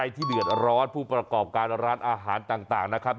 ที่เดือดร้อนผู้ประกอบการร้านอาหารต่างนะครับ